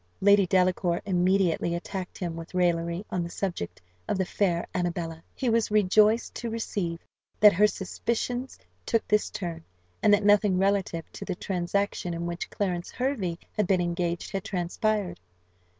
Lady Delacour immediately attacked him with raillery, on the subject of the fair Annabella. He was rejoiced to perceive that her suspicions took this turn, and that nothing relative to the transaction in which Clarence Hervey had been engaged had transpired.